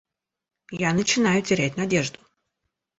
Я начинаю терять надежду.